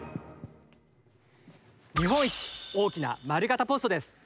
日本一大きな丸型ポストです。